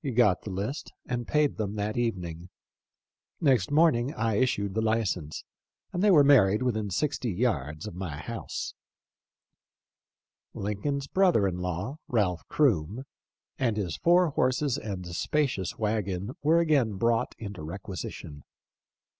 He got the list and paid them that even ing. Next morning I issued the license, and they were married within sixty yards of my house." Lincoln's brother in law, Ralph Krume, and his * Clerk of the Court. 30 THE LIFE OF LINCOLN. four horses and spacious wagon were again brought into requisition.